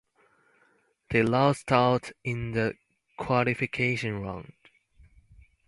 They lost out in the qualification round.